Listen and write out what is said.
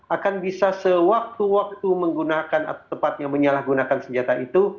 akan bisa sewaktu waktu menggunakan atau tepatnya menyalahgunakan senjata itu